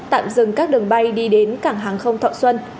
tạm dừng các đường bay đi đến cảng hàng không thọ xuân